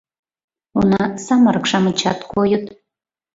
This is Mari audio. Уна, самырык-шамычат койыт.